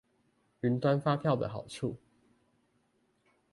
雲端發票的好處